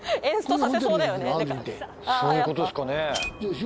エンストさせそうだよね。